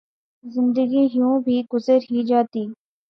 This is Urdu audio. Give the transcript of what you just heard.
زندگی یوں بھی گزر ہی جاتی